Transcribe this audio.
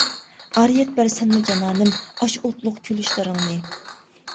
ئارىيەت بەر سەنمۇ جانانىم، ئاشۇ ئوتلۇق كۈلۈشلىرىڭنى.